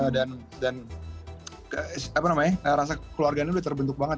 dan dan apa namanya rasa keluarganya udah terbentuk banget